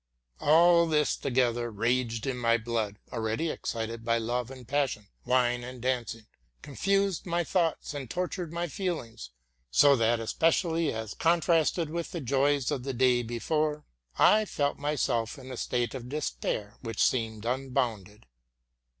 All this together raged in my blood, already excited by love and passion, wine and dancing, confused my thoughts and tor tured my feelings, so that, especially as contrasted with the joys of the day before, I was in a state of despair which seemed unbounded.